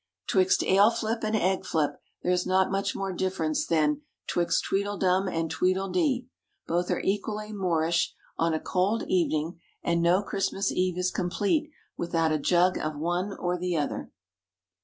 'Twixt ale flip and egg flip there is not much more difference than 'twixt tweedledum and tweedledee. Both are equally "more ish" on a cold evening; and no Christmas eve is complete without a jug of one or the other.